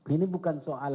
ini bukan soal